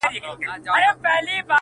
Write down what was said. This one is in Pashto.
هم منلو د خبرو ته تیار دی،